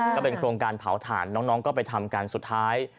ก็เป็นโครงการเผาถ่านน้องก็ไปทำกันสุดท้าย